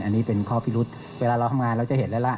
อันนี้เป็นข้อพิรุษเวลาเราทำงานเราจะเห็นแล้วล่ะ